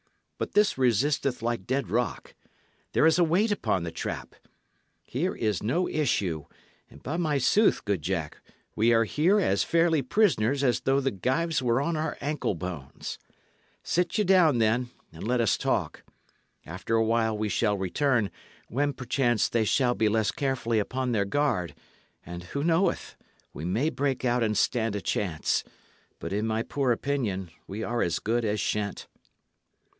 But this resisteth like dead rock. There is a weight upon the trap. Here is no issue; and, by my sooth, good Jack, we are here as fairly prisoners as though the gyves were on our ankle bones. Sit ye then down, and let us talk. After a while we shall return, when perchance they shall be less carefully upon their guard; and, who knoweth? we may break out and stand a chance. But, in my poor opinion, we are as good as shent."